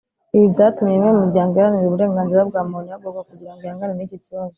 Ibi byatumye imwe mu miryango iharanira uburenganzira bwa muntu ihaguruka kugira ngo ihangane n’iki kibazo